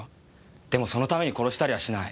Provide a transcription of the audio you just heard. でもそのために殺したりはしない。